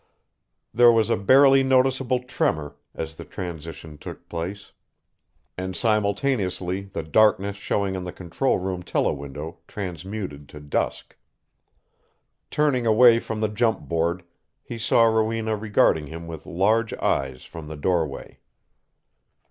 There was a barely noticeable tremor as the transition took place, and simultaneously the darkness showing on the control room telewindow transmuted to dusk. Turning away from the jump board, he saw Rowena regarding him with large eyes from the doorway.